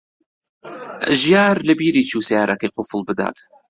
ژیار لەبیری چوو سەیارەکەی قوفڵ بدات.